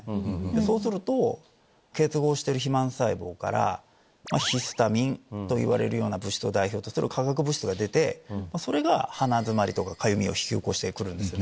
そうすると結合してる肥満細胞からヒスタミンといわれる物質を代表とする化学物質が出てそれが鼻詰まりとかかゆみを引き起こしてくるんです。